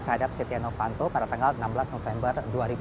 terhadap setianofanto pada tanggal enam belas november dua ribu tujuh belas